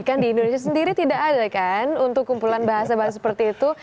kan di indonesia sendiri tidak ada kan untuk kumpulan bahasa bahasa seperti itu